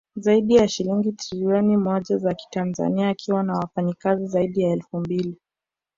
Zaidi ya shilingi Trilioni moja za kitanzania akiwa ana wafanyakazi zaidi ya elfu mbili